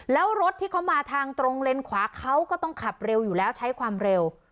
แล้วรถที่เขามาทางตรงเลนขวาเขาก็ต้องขับเร็วอยู่แล้วใช้ความเร็ว